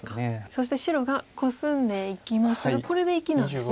そして白がコスんでいきましたがこれで生きなんですね。